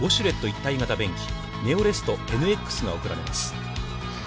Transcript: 一体形便器、ネオレストＮＸが贈られます。